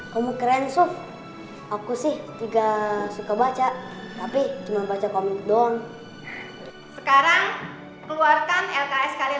kamu keren suf aku sih juga suka baca tapi cuma baca komik doang sekarang keluarkan lks kalian